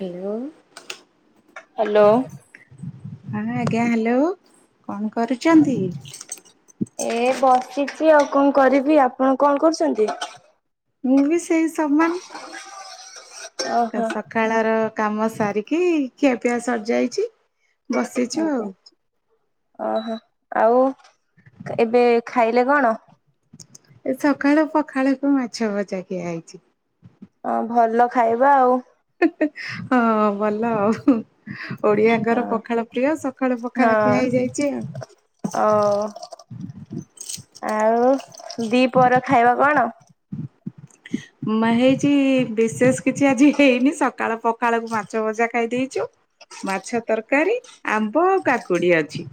Hello. Hello. ହ ଆଜ୍ଞା hello କଣ କରୁଛନ୍ତି? ଏ ବସିଛି ଆଉ କଣ କରିବି, ଆପଣ କଣ କରୁଛନ୍ତି? ମୁଁ ବି ସେଇ ସମାନ। ଓହୋ ସକାଳ ର କାମ ସାରିକି ଖିଆପିଆ ସରିଯାଇଛି। ବସିଛୁ ଆଉ ଆଜ୍ଞା। ଓହୋ ଆଉ ଏବେ ଖାଇଲେ କଣ? ଏ ସକାଳୁ ପଖାଳକୁ ମାଛ ଭଜା ଖିଆ ହେଇଛି। ହ ଭଲ ଖାଇବା ଆଉ ହଁ ଭଲ ଆଉ। ଓଡିଆଙ୍କର ପଖାଳ ପ୍ରିୟ ସକାଳୁ ହଁ ପଖାଳ ଖିଆ ହେଇଯାଇଛି ଆଉ। ଓ ଆଉ ଦି ପହର ଖାଇବା କଣ? ହେଇଛି ବିଶେଷ କିଛି ଆଜି ହେଇନି ସକାଳ ପଖାଳକୁ ମାଛ ଭଜା ଖାଇ ଦେଇଛୁ। ମାଛ ତରକାରୀ ଆମ୍ବ ଆଉ କାକୁଡି ଅଛି।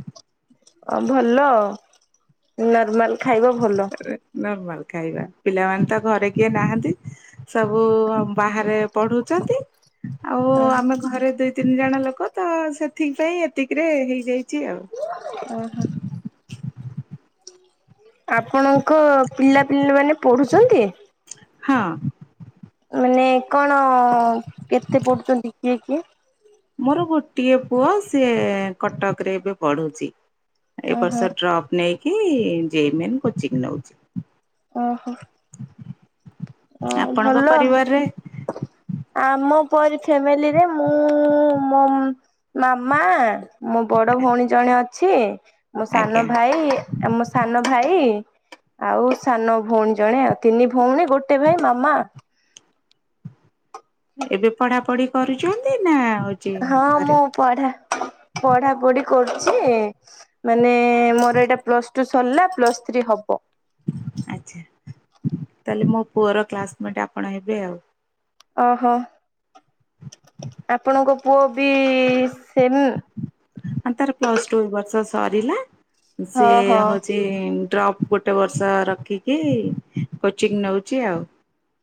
ଅ ଭଲ ନର୍ମାଲ ଖାଇବା ଭଲ। ନର୍ମାଲ ଖାଇବା, ପିଲାମାନେ ତ ଘରେ କିଏ ନାହାନ୍ତି। ସବୁ ବାହାରେ ପଢୁଛନ୍ତି। ଆଉ ଓହୋ ଆମେ ଘରେ ଦୁଇ ତିନି ଜଣ ଲୋକ ତ ସେଥି ପାଇଁ ଏତିକିରେ ହେଇଯାଇଛି ଆଉ। ଓ ହୋ। ଆପଣଙ୍କ ପିଲାପିଲାମାନେ ପଢ଼ୁଛନ୍ତି? ହଁ। ମାନେ କଣ କେତେ ପଡୁଛନ୍ତି କିଏ କିଏ? ମୋର ଗୋଟିଏ ପୁଅ ସିଏ କଟକ ରେ ଏବେ ପଢୁଛି। ଏ ଓହୋ ବର୍ଷ ଡ୍ରପ ନେଇକି ଜେଇ ମେନ୍ କୋଚିଂ ନଉଛି। ଓହୋ। ଓ ଆପଣଙ୍କ ଭଲ। ପରିବାରରେ ଆମ ପରି ଫ୍ୟାମିଲିରେ ମୁଁ ମ ମାମା ମୋ ବଡ ଭଉଣୀ ଜଣେ ଅଛି ମୋ ସାନ ଆଜ୍ଞା ଭାଇ। ଆମ ସାନ ଭାଇ ଆଉ ସାନ ଭଉଣୀ ଜଣେ ଆଉ ତିନି ଭଉଣୀ ଗୋଟେ ଟେ ଭାଇ ମାମା ଏବେ ପଢା ପଢି କରୁଛନ୍ତି ନା? ହଁ ମୁଁ ଘରେ ପଢା ପଢାପଢି କରୁଛି। ମାନେ ମୋର ଏଇଟା ପ୍ଲସ ଟୁ ସରିଲା ପ୍ଲସ୍ ଥ୍ରୀ ହବ। ଆଛା। ତାହେଲେ ମୋ ପୁଅର କ୍ଲାସମେଟ ଆପଣ ହେବେ ଆଉ। ଓହୋ ଆପଣଙ୍କ ପୁଅ ବି ସେମ ଆ ତାର ପ୍ଲସ ଟୁ ବର୍ଷ ସରିଲା। ସେ ହଁ ହଁ ହଉଛି ଡ୍ରପ ଗୋଟେ ଗୋଟେ ବର୍ଷ ରଖିକି କୋଚିଂ ନଉଛି ଆଉ।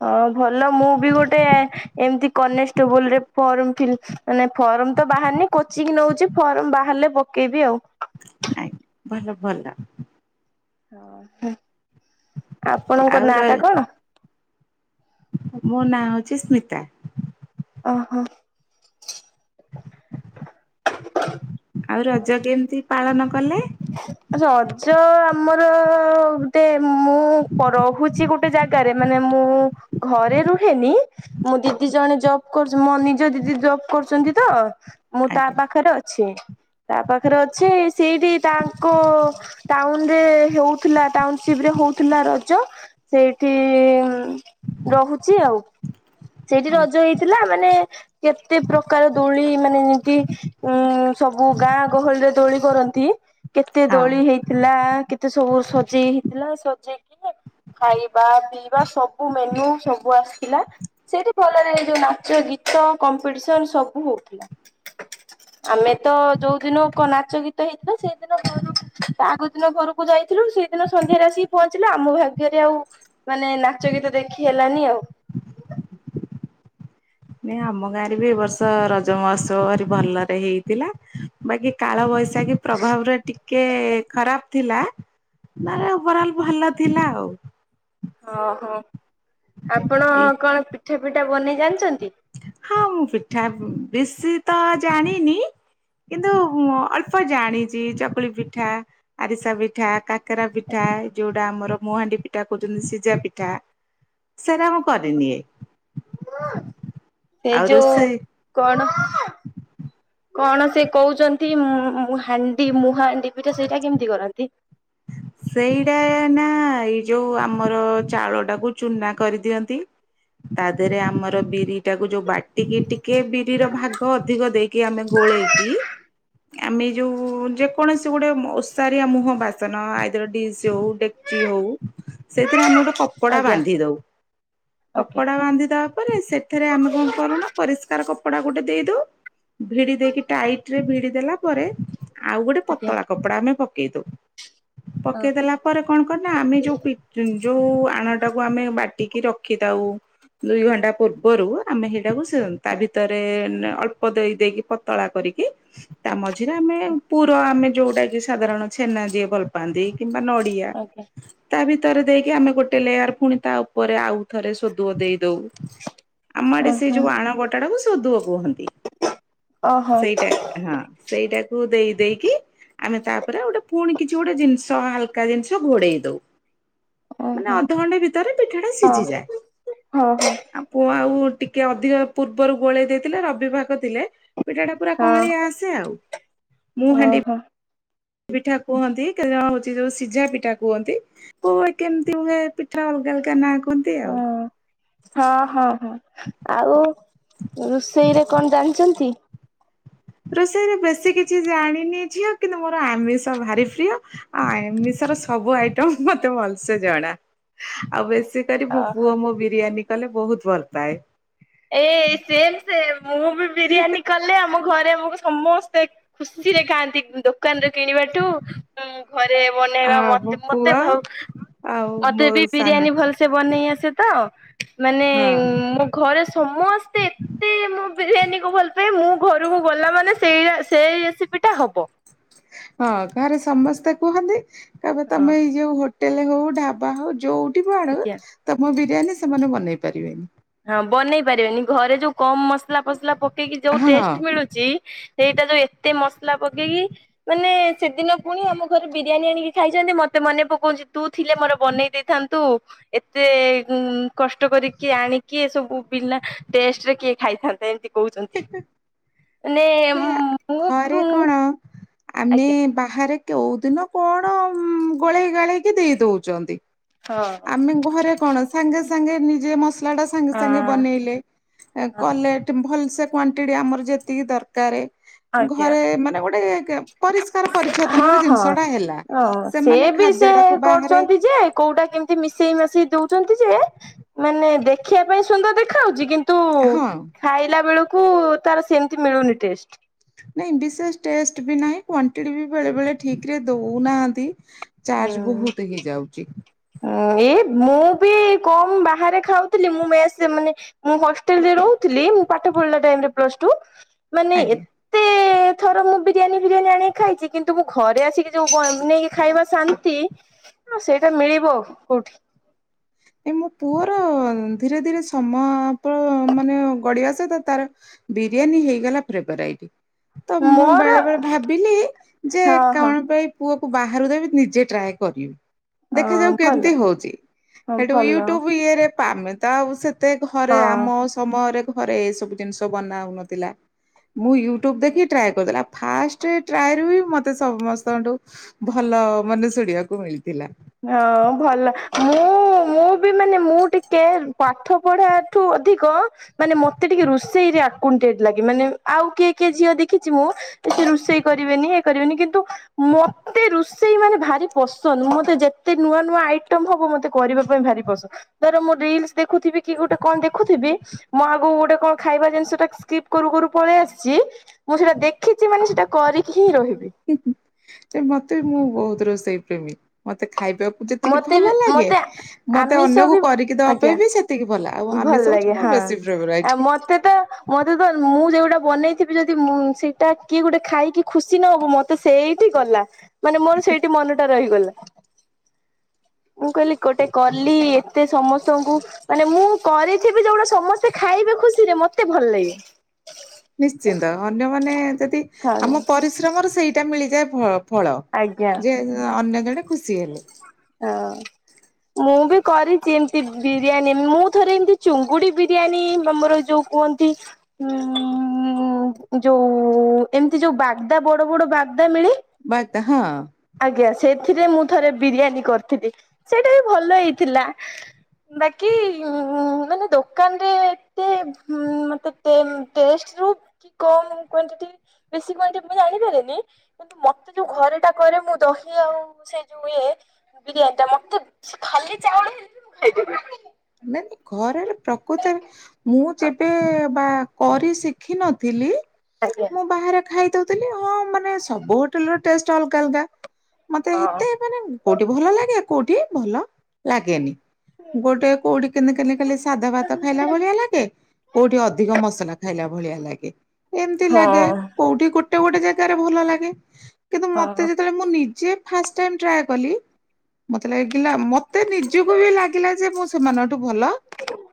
ହଁ ଭଲ ମୁଁ ବି ଗୋଟେ ଏମିତି କନେଷ୍ଟେବୁଲ ରେ ଫର୍ମ ଫ ମାନେ ଫର୍ମ ତ ବାହାରନି କୋଚିଂ ନଉଛିି ଫର୍ମ ବାହାରିଲେ ପକେଇବି ଆଉ। ଆଜ୍ଞା। ଭଲ ଭଲ। ହଁ ହଁ ଆଉ ଆପଣଙ୍କ ନାଁ ର ଟା କଣ? ମୋ ନାଁ ହଉଛି ସ୍ମିତା। ଓହୋ। ଆଉ ରଜ କେମିତି ପାଳନ କଲେ? ରଜ ଆମର ତେ ମୁଁ ରହୁଛି ଗୋଟେ ଜାଗାରେ ମାନେ ମୁଁ ଘରେ ରୁହେନି ମୁଁ ଦିଦି ଜଣେ ଜବ କର ମୋ ନିଜ ଦିଦି ଜବ୍ କରୁଛନ୍ତି ତ ମୁଁ ତା ଆଜ୍ଞା ପାଖରେ ଅଛି। ତା ପାଖରେ ଅଛେ ସେଇଠି ତାଙ୍କ ଟାଉନରେ ହଉଥିଲା ଟାଉନସିପ ରେ ହଉଥିଲା ରଜ। ସେଇଠି ରହୁଛି ଆଉ। ସେଇଠି ରଜ ହେଇଥିଲା ମାନେ କେତେ ପ୍ରକାର ଦୋଳି ମାନେ ଯେମିତି ଉଁ ସବୁ ଗାଁ ଗହଳିରେ ଦୋଳି କରନ୍ତି କେତେ ହଁ ଦୋଳି ହେଇ ଥିଲା କେତେ ସବୁ ସଜେଇ ହେଇଥିଲା ସଜେଇକି ଖାଇବା ପିଇବା ସବୁ ମେନୁ ସବୁ ଆସିଥିଲା। ସେଇଠି ଭଲରେ ଏଇ ଯୋଉ ନାଚ ଗୀତ କମ୍ପିଟିସନ ସବୁ ହଉଥିଲା। ଆମେ ତ ଯୋଉ ଦିନ ନାଚ ଗୀତ ହେଇଥିଲା ସେଇଦିନ ଘରୁ ଆଗ ଦିନ ଘରୁ ଯାଇଥିଲୁ ସେଇଦିନ ସନ୍ଧ୍ୟାରେ ଆସିକି ପହଞ୍ଚିଲା ଆମ ଭାଗ୍ୟରେ ଆଉ। ମାନେ ନାଚ ଗୀତ ଦେଖି ହେଲାନି ଆଉ। ନାଇଁ ଆମ ଗାଁ ରେ ବି ଏ ବର୍ଷ ରଜ ମହୋତ୍ସବ ଭରି ଭଲରେ ହେଇଥିଲା। ବାକି କାଳ ବୈଶାଖୀ ପ୍ରଭାବରେ ଟିକେ ଖରାପ ଥିଲା। ନରେ ଓଭର ଅଲ୍ ଭଲ ଥିଲା ଆଉ। ଓହୋ ଆପଣ କଣ ପିଠା ପିଠା ବନେଇ ଜାଣିଛନ୍ତି। ହଁ ମୁଁ ପିଠା ବେଶୀ ତ ଜାଣିନି। କିନ୍ତୁ ମୁଁ ଅଳ୍ପ ଜାଣିଛି ଚକୁଳି ପିଠା ଆରିସା ପିଠାା। କରା ପିଠା ଯୋ ଟା ଆମର ମୁହାଣ୍ଡି ପିଠା କହୁଛନ୍ତି ସିଝା ପିଠା ସେଟା ମୁଁ କରିରେନି ଏ ସେ ଆଉ ଯଉ ରୋଷେଇ କଣ କଣ ସେ କହୁଛନ୍ତି ହାଣ୍ଡି ମୁହା ପିଠା ସେଇଟା କେମିତି କରନ୍ତି। ସେଇଟା ନା ଏଇ ଯୋଉ ଆମର ଚାଉଳ ଟାକୁ ଚୁନା କରିଦିଅନ୍ତି। ତା ଦେହରେ ଆମର ବିରି ଟାକୁ ଯୋଉ ବାଟି ଟିକେ ଟିକେ ବିରିର ଭାଗ ଅଧିକ ଦେଇକି ଆମେ ଗୋଳେଇକି ଆମେ ଯୋଉ ଯେକୌଣସି ଗୋଟେ ଓସାରିଆ ମୁହଁ ବାସନ ଆ ଡି ହଉ ଡେଚି ହଉ ସେଥିରେ ଆମେ ଗୋଟେ କପଡ଼ା ଆଜ୍ଞା ବାନ୍ଧି ଦଉ ଆଜ୍ଞା କପଡ଼ା ବାନ୍ଧିଦ ପରେ ସେଥିରେ ଆମେ କଣ କରୁନା ପରିଷ୍କାର କପଡା ଗୋଟେ ଦେଇଦଉ ଭିଡି ଦେଇକି ଟାଇଟ ରେ ଭିଡି ଦେଲା ପରେ ଆଉ ଗୋଟେ ଆଜ୍ଞା ପତଳା କପଡା ଆମେ ପକେଇ ଦଉ। ହଁ ପକେଇଦେଲା ପରେ କଣ କରେନା ଆମେ ଯୋଉ ଯୋଉ ଆଣଟାକୁ ଆମେ ବାଟିକି ରଖିଥାଉ ଦୁଇ ଘଣ୍ଟା ପୂର୍ବରୁ ଆମେ ସେଇଟାକୁ ତା ଭିତରେ ଅଳ୍ପ ଦେଇ ଦେଇକି ପତଳା କରିକି ତା ମଝିରେ ଆମେ ପୁର ଆମେ ଯୋଉଟା କି ସାଧାରଣ ଛେନା ଯିଏ ଭଲ ପାଆନ୍ତି କିମ୍ବା ନ ଡିଆ ଆଜ୍ଞା ତା ଭିତରେ ଦେଇକି ଆମେ ଗୋଟେ ଲେୟାର ପୁଣି ତା ଉପରେ ଆଉ ଥରେ ସୋଦୁଅ ଦେଇଦଉ। ଆମ ଆଡେ ସେ ଓହୋ ଯୋଉ ଆଣ ବଟାଟାକୁ ସୋଦୁଅ କୁହନ୍ତି ସେଇଟା ହଁ, ସେଇଟାକୁ ଦେଇ ଦେଇକି ଆମେ ତାପରେ ଗୋଟେ ପୁଣି କିଛି ଗୋଟେ ଜିନିଷ ହଲକା ଜିନିଷ ଘୋଡେଇ ଦଉ। ମାନେ ଓହୋ ଅଧଘଣ୍ଟା ଭିତରେ ପିଠା ଟା ଓହୋ ସିଝିଯାଏ ହଁ ହଁ ଆଉ ପୁଅ ଆଉ ଟିକେ ଅଧିକ ପୂର୍ବରୁ ଗୋଳେଇ ଦେଇଥିଲେ ରବି ଭାଗ ଥିଲେ ପିଠା ଟା ପୁରା ହଁ କଅଁଳିଆ ଆସ ଆସେ ଆଉ। ମୁଁ ହାଣ୍ଡି ଓହୋ! ପିଠା କୁହନ୍ତି କେତେ ଜଣ ହଉଛି ଯୋଉ ସିଝା ପିଠା କୁହନ୍ତି। ପୁଣି କେମିତି ହୁଏ ପିଠା ଅଲଗା ଅଲଗା ନାଁ କୁହନ୍ତି ଆଉ। ହଁ ହଁ, ହଁ, ହଁ ଆଉ ରୋଷେଇରେ କଣ ଜାଣିଛନ୍ତି? ରୋଷେଇରେ ବେଶୀ କିଛି ଜାଣିନି ଝିଅ କିନ୍ତୁ ମୋର ଆମିଷ ଭାରି ପ୍ରିୟ। ଆମିଷର ସବୁ ଆଇଟମ୍ ମତେ ଭଲସେ ଜଣା ଆଉ ବେଶୀ ମୋ ଓହୋ ପୁଅ ମୋ ବିରିୟାନୀ କଲେ ବହୁତ ଭଲ ପାଏ। ଏ ସେମ ସେମ ମୁଁ ବି ବିରିୟାନୀ କଲେ ଆମ ଘରେ ସମସ୍ତେ ଖୁସିରେ ଖାଆନ୍ତି ଦୋକାନରେ କିଣିବାଠୁ ହୁଁ, ଘରେ ବନେଇବା ହଁ ମୋ ମତେ ପୁଅ ମତେ ଭାଉ ଆଉ ମତେ ମୋ ବି ସାନ ବିରିୟାନୀ ଭଲସେ ବନେଇ ଆସେ ତ ମାନେ ହଁ ମୋ ଘରେ ସମସ୍ତେ ଏତେ ମୁଁ ବିରିୟାନୀକୁ ଭଲ ପାଏ ମୁଁ ଘରକୁ ଗଲା ମାନେ ସେଇ ସେଇ ରେସିପି ଟା ହବ। ହଁ, ଘରେ ସମସ୍ତେ କୁହନ୍ତି କେବେ ହଁ ତମେ ଏଇ ଯୋଉ ହୋଟେଲେ ହଉ ଢାବା ହଉ ଯୋଉଠି ବି ଆଡୁ ଆଜ୍ଞା। ତମ ବିରିୟାନୀ ସେମାନେ ବନେଇ ପାରିବେନି। ହଁ, ବନେଇ ପାରିବେନି ଘରେ ଯୋଉ କମ ମସଲା ଫସଲା ପକେଇକି ଯୋଉ ହଁ ଟେଷ୍ଟ ମିଳୁ ଚି ସେଇଟା ଯୋଉ ଏତେ ମସଲା ପକେଇକି ମାନେ ସେଦିନ ପୁଣି ଆମ ଘରେ ବିରିୟାନୀ ଆଣିକି ଖାଇଛନ୍ତି ମତେ ମନେ ପକଉଛି ତୁ ଥିଲେ ମୋର ବନେଇ ଦେଇ ଥାନ୍ତୁ ଏତେ କଷ୍ଟ କରିକି ଆଣି କିଏ ସବୁ ଵିନା ଟେଷ୍ଟରେ କିଏ ଖାଇଥାନ୍ତେ ଏମତି କହୁଚନ୍ତି ମାନେ ଘରେ କଣ ଆମେ ଆଜ୍ଞା ବାହାରେ କୋଉ ଦିନ କଣ ଗୋଳେଇ ଗାଳେଇକି ଦେଇ ଦଉଚନ୍ତି। ହଁ। ଆମେ ଘରେ କଣ ସାଙ୍ଗେ ସାଙ୍ଗେ ନିଜେ ମସଲା ଟା ସାଙ୍ଗେ ସାଙ୍ଗେ ହଁ। ବନେଇଲେ ହଁ କଲେ ଭଲ ସେ କ୍ୱାଣ୍ଟିଟି ଆମର ଯେତିକି ଦରକାର ଆଜ୍ଞା ଘରେ ମାନେ ଗୋଟେ ପରିଷ୍କାର ପରିଚ୍ଛେଦନ ହଁ ର ଜିନିଷ ହଁ। ଟା ହେଲା ଓହୋ ସେ ସେମାନେ ବି ଖାଦ୍ୟ ସେ ଟାକୁ ବାହାରେ କରୁଛନ୍ତି ଯେ କୋଉଟା କେମିତି ମିଶେଇ ମାସେଇ ଦଉଚନ୍ତି ଯେ ମାନେ ଦେଖିବା ପାଇଁ ସୁନ୍ଦର ଦେଖାଯାଉଛି କିନ୍ତୁ ହଁ। ଖାଇଲା ବେଳକୁ ତାର ସେମିତି ମିଳୁନି ଟେଷ୍ଟ। ନାଇଁ ବିଶେଷ ଟେଷ୍ଟ ବି ନାହିଁ କ୍ୱାଣ୍ଟିଟି ବି ବେଳେ ବେଳେ ଠିକ୍ ରେ ଦଉନାହାନ୍ତି। ଚାର୍ଜ ବହୁତ ହେଇଯାଉଛି। ଆଁ ଏଇ ମୁଁ ବି କମ ବାହାରେ ଖାଉଥିଲି ମୁଁ ମେସ ମାନେ ମୁଁ ହଷ୍ଟେଲରେ ରହୁଥିଲି ମୁ ପାଠ ପଢିଲା ଟାଇମ୍ ରେ ପ୍ଲସ ଟୁ ମାନେ ଆଜ୍ଞା। ଏତେ ଥର ମୁଁ ବିରିୟାନୀ ଫିରିୟାନୀ ଆଣିକି ଖାଇଛି କିନ୍ତୁ ମୁଁ ଘରେ ଆସିକି ଯୋଉ ବ ବେନେଇକି ଖାଇବା ଶାନ୍ତି ଆ ସେଇଟା ମିଳିବ କୋଉଠି। ଏ ମୋ ପୁଅର ଧୀରେ ଧୀରେ ସମୟ ମାନେ ଗଢିବା ସହିତ ତାର ବିରିୟାନୀ ହେଇଗଲା ଫେଭେରାଇଟି ତ ମୁଁ ମୋର ବେଳେ ବେଳେ ଭାବିଲି ଯେ ହଁ ହଁ କଣ ପାଇଁ ପୁଅ କୁ ବାହାରୁ ଦେବି ନିଜେ ଟ୍ରାଏ କରିବି ଅ ଦେଖାଯାଉ ଭଲ। କେମିତି ହଉଚି। ହଁ ସେଠୁ ଭଲ ୟୁଟ୍ୟୁବ୍ ଇଏରେ ପାମେ ତ ଆଉ ସେତେ ଘରେ ହଁ ଆମ ସମୟରେ ଘରେ ଏ ସବୁ ଜିନିଷ ବନା ହଉନଥିଲା। ମୁଁ ୟୁଟ୍ୟୁବ୍ ଦେଖି ଟ୍ରାଏ କରିଦେଲି ଫାଷ୍ଟ ଟ୍ରାଏ ହୁଁ ମ ମତେ ସମସ୍ତଙ୍କଠୁ ଭଲ ମାନେ ଶୁଣିବାକୁ ମିଳିଥିଲା। ହଁ ଭଲ ମୁଁ ମୁଁ ବି ମାନେ ମୁଁ ଟିକେ ପାଠ ପଢା ଠୁ ଅଧିକ ମାନେ ମତେ ଟିକେ ରୋଷେଇରେ ଆକ୍ୱେଣ୍ଟେଡ୍ ଲାଗେ ମାନେ ଆଉ କିଏ କିଏ ଝିଅ ଦେଖିଚି ମୁଁ କିଛି ରୋଷେଇ କରିବେନି ଏଇ କରିବେନି କିନ୍ତୁ ମତେ ରୋଷେଇ ମାନେ ଭାରି ପସନ୍ଦ ମତେ ଯେ ଏତେ ନୂଆ ନୂଆ ଆଇଟମ୍ ହବ ମତେ କରିବା ପାଇଁ ଭାରି ପସନ୍ଦ ଧର ମୋ ରିଲ୍ ଦେଖୁଥିବି କି ଗୋଟେ କଣ ଦେଖୁଥିବି ମୁଁ ଆଗକୁ ଗୋଟେ କଣ ଖାଇବା ଜିନିଷ ଟା ସ୍କିପ୍ କରୁ କରୁ ପଳେଇ ଆସିଛି। ମୁଁ ସେଇଟା ଦେଖିଛି ମାନେ ସେଇଟା କରିକି ହିଁ ରହିବି। ମତେ ବି ମୁଁ ବହୁତ ରୋଷେଇ ପ୍ରେମୀ ମତେ ଖାଇବାକୁ ଯେତିକି ମତେ ବି ଭଲ ଲାଗେ ମତେ ମତେ ଆମିଷ ଅନ୍ୟକୁ ବି କରିକି ଦବା ଆଜ୍ଞା ପାଇଁ ବି ସେତିକି ଭଲ ଆଉ ଭଲ ଆମିଷ ଲାଗେ ହେଉଛି ମୋର ହଁ। ବେଶୀ ଫେବରାଇଟ। ଆଉ ମୋତେ ତ ମତେ ତ ମୁଁ ଯେଉଟା ବନେଇଥିବି ଯଦି ସେଇଟା କିଏ ଗୋଟେ ଖାଇକି ଖୁସି ନହବ ମତେ ତ ସେଇଠି ଗଲା ମାନେ ମୋର ସେଇଠି ମନ ଟା ରହିଗଲା। ମୁଁ କହିଲି ଗୋଟେ କଲି ଏତେ ସମସ୍ତଙ୍କୁ ମାନେ ମୁଁ କରିଥିବେ ଯୋଉଟା ସମସ୍ତେ ଖାଇବେ ଖୁସିରେ ମତେ ଭଲ ଲାଗେ। ନିଶ୍ଚିନ୍ତ ଅନ୍ୟମାନେ ଯଦି ହଁ ଆମ ପରିଶ୍ରମର ସେଇଟା ମିଳିଯାଏ ଫଳ ଫଳ ଆଜ୍ଞା ଯେ ଅନ୍ୟ ଜଣେ ଖୁସି ହେଲେ ଆଁ ମୁଁ ବି କରିଛି ଏମିତି ବିରିୟାନୀ ମୁଁ ଥରେ ଏମିତି ଚୁଙ୍ଗୁଡି ବିରିୟାନୀ ବା ମୋର ଯୋଉ କୁହନ୍ତି ଉଁ ଯୋଉ ଏମତି ଯୋଉ ବାଗଦା ବଡ଼ ବଡ଼ ବାଗଦା ମିଳେ ବାଦା ହଁ। ଆଜ୍ଞା ସେଇଥିରେ ମୁଁ ଥରେ ବିରିଆନୀ କରିଥିଲି। ସେଇଟା ବି ଭଲ ହେଇଥିଲା। ବାକି ଉଁ ମାନେ ଦୋକାନରେ ଏତେ ଉଁ ମତେ ଟେନ୍ ଟେଷ୍ଟରୁ କମ୍ କ୍ୱାଣ୍ଟିଟି ବେଶି କ୍ୱାଣ୍ଟି ମୁଁ ଜାଣିପାରେନି। କିନ୍ତୁ ମତେ ଯୋଉ ଘରଟା କରେ ମୁଁ ଦହି ଆଉ ସେଇ ଯୋଉ ଇଏ ବିରିୟାନୀଟା ମତେ ଖାଲି ଚାଉଳ ହେଲେ ବି ମୁଁ ଖାଇଦେବି। ନେନି ଘରର ପ୍ରକୁତରେ ମୁଁ ଯେବେ ବା କରି ଶିଖିନଥିଲି ଆଜ୍ଞା ମୁଁ ବାହାରେ ଖାଇଦଉଥିଲି ହଁ ମାନେ ସବୁ ହୋଟେଲ୍ ରେ ଟେଷ୍ଟ୍ ଅଲଗା ଅଲଗା। ମତେ ହଁ ହେତେ ମାନେ କୋଉଠି ଭଲ ଲାଗେ କୋଉଠି ଭଲ ଲାଗେନି ଗୋଟେ କୋଉଠି କେନ୍ତି ଖାଲି ଖାଲି ସାଧା ଭାତ ଖାଇଲା ଭଳିଆ ଲାଗେ କୋଉଠି ଅଧିକ ମସଲା ଖାଇ ଏଲା ଭଳିଆ ଲାଗେ ଏମତି ଲାଗେ ହଁ କୋଉଠି ଗୋଟେ ଗୋଟେ ଜେଗାରେ ଭଲ ଲାଗେ। କିନ୍ତୁ ମତେ ହଁ ଯେତେଳେ ମୁଁ ନିଜେ ଫାଷ୍ଟ୍ ଟାଇମ୍ ଟ୍ରାଏ କଲି ମତେ ଲାଗିଲା ମତେ ନିଜୁକୁ ବି ଲାଗିଲା ଯେ ମୁଁ ସେମାନଙ୍କଠୁ ଭଲ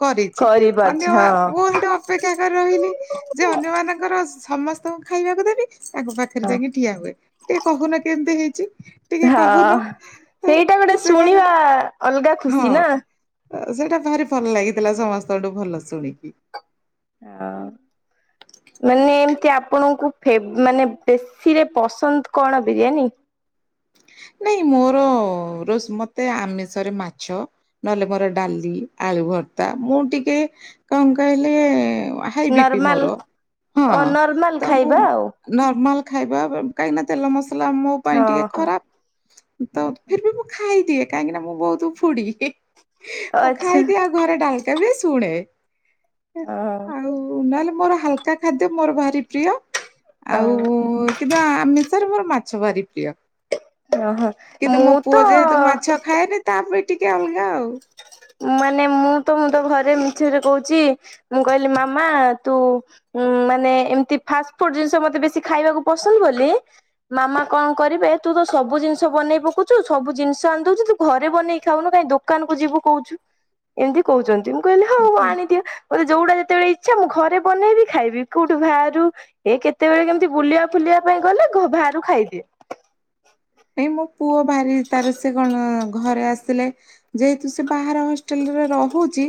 କରିଚି ଅନ୍ୟ କରିପାରୁଛି ହଁ ମୁଁ ହେଟୁ ଅପେକ୍ଷା କରି ରହିଲି ଯେ ଅନ୍ୟମାନଙ୍କର ସମସ୍ତଙ୍କୁ ଖାଇବାକୁ ଦେବି ତାଙ୍କ ପାଖରେ ଯାଇକି ଠିଆ ହୁଏ ଟିକେ କହୁନ କେମତି ହେଇଚି। ହଁ ସେଇଟା ଗୋଟେ ସେମାନେ ଶୁଣିବା ଅଲଗା ଖୁସି, ନାଁ? ଅ ସେଇଟା ଭାରି ଭଲ ଲାଗିଥିଲା ସମସ୍ତଠୁ ଭଲ ଶୁଣିକି। ଆଉ ମାନେ ଏମତି ଆପଣଙ୍କୁ ଫେବ୍ ମାନେ ବେଶ୍ ସିରେ ପସନ୍ଦ କଣ ବିରିୟାନୀ? ନାଇଁ, ମୋର ରୋଷ୍ ମତେ ଆମିଷରେ ମାଛ। ନହେଲେ ମୋର ଡାଲି, ଆଳୁ ଭର୍ତା, ମୁଁ ଟିକେ କଁ କହିଲେ ଆ ହାଇ ବି ପି ନର୍ମାଲ ମୋର, ହଁ ଅ ନର୍ମାଲ ତ ମୁଁ ଖାଇବା ଆଉ ନର୍ମାଲ ଖାଇବା ବ କାହିଁକି ନା ତେଲ ମସଲା ମୋ ପାଇଁ ଟିକେ ହଁ। ଖରାପ। ତ ଫିର୍ ବି ମୁଁ ଖାଇଦିଏ, କାହିଁକି ନା ମୁଁ ବହୁତ ଫୁଡି଼ ମୁଁ ଆଚ୍ଛା ଖାଇଦିଏ ଆଉ ଘରେ ଡାଲକା ବି ଶୁଣେ, ଅ ଆଉ ନହେଲେ ମୋର ହାଲକା ଖାଦ୍ୟ ମୋର ଭାରି ପ୍ରିୟ। ଅ ଆଉ କିନ୍ତୁ ଆମିଷରେ ମୋର ମାଛ ଭାରି ପ୍ରିୟ। ଅହ। କିନ୍ତୁ ମୋ ପୁଅ ଯେହେତୁ ମାଛ ଖାଏନି ତା ପାଇଁ ଟିକେ ଅଲଗା ଆଉ। ମାନେ ମୁଁ ତ, ମୁଁ ତ ଘରେ ମିଛରେ କୋହୁଚି ମୁଁ କହିଲି ମାମା ତୁ ଉଁ ମାନେ ଏମତି ଫାଷ୍ଟ ଫୁଡ଼୍ ଜିନିଷ ମତେ ବେଶି ଖାଇବାକୁ ପସନ୍ଦ ବୋଲି ମାମା କଁ କରିବେ, ତୁ ତ ସବୁ ଜିନିଷ ବନେଇ ପକଉଚୁ ସବୁ ଜିନିଷ ଆଣିଦୋଉଚୁ, ତୁ ଘରେ ବନେଇ ଖାଉନୁ କାଇଁ ଦୋ କାନକୁ ଯିବୁ କୋହୁଚୁ ଏମତି କୋହୁଚନ୍ତି ମୁଁ କହିଲି ହଉ ଆଣିଦିଅ। ମତେ ଯୋଉଟା ଯେତେବେଳେ ଇଚ୍ଛା, ମୁଁ ଘରେ ବନେଇବି ଖାଇବି, କୋଉଠୁ ଭାରୁ ଏ କେତେବେଳେ କେମତି ବୁଲିବା ଫୁଲିବା ପାଇଁ ଗଲେ ଘ ଭାରୁ ଖାଇଦିଏ। ଏ ମୋ ପୁଅ ଭାରି ତାର ସେ କଣ ଘରେ ଆସିଲେ ଯେହେତୁ ସେ ବାହାର ହସ୍ ଟିଲ୍ ରେ ରହୁଚି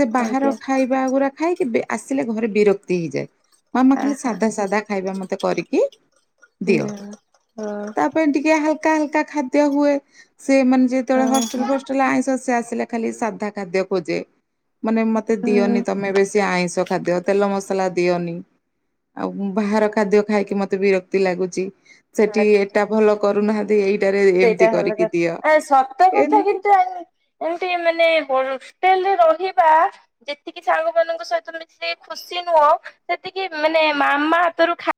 ସେ ଆଜ୍ଞା ବାହାର ଖାଇ ବାଗୁରା ଖାଇକି ବି ଆସିଲେ ଘରେ ବିରକ୍ତି ହେଇଯାଏ। ମାମା ଖାଲି ଆହା ସାଧା ସାଧା ଖାଇବା ମତେ କରିକି ଦିଅ। ଓହୋ। ତା ପାଇଁ ଟି ଇଏ ହାଲକା ହାଲକା ଖାଦ୍ୟ ହୁଏ। ସେ ମାନେ ଯେତୋଳେ ହଷ୍ଟେଲ୍ ଫଷ୍ଟେ୍ ଟେଲେ ଆଇଁଷ ସେ ଆସିଲେ ଖାଲି ସାଧା ଖାଦ୍ୟ ଖୋଜେ। ମାନେ ମତେ ହୁଁ ଦିଅନି ତମେ ବେଶି ଆଇଁଷ ଖାଦ୍ୟ, ତେଲ, ମସଲା ଦିଅନି। ଆଉ ବାହାର ଖାଦ୍ୟ ଖାଇକି ମତେ ବିରକ୍ତି ଲାଗୁଚି, ସେଠି ଆଚ୍ଛା ଏଟା ଭଲ କରୁନାହା ବି ଏଇଟାରେ ସେଇଟା ଏମତି ଭଲ କ କରିକି ଦିଅ। ଏମ୍ ଏମିଟି ମାନେ ବୋଡ଼ ଷ୍ଟେଲ୍ ରେ ରହିବା ଯେତିକି ସାଙ୍ଗମାନଙ୍କ ସହିତ ମିଶିକି ଖୁସି ନୁହଁ, ସେତିକି ମାନେ ମାମା ହାତରୁ ଖା